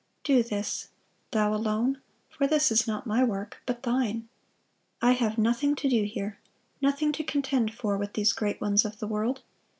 Do this, ... Thou alone; ... for this is not my work, but Thine. I have nothing to do here, nothing to contend for with these great ones of the world....